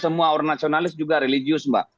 semua orang nasionalis juga religius mbak